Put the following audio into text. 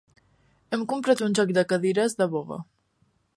Hem comprat un joc de cadires de boga.